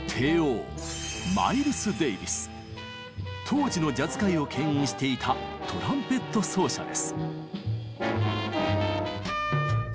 当時のジャズ界を牽引していたトランペット奏者です。